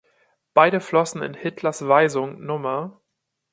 Beide flossen in Hitlers Weisung Nr.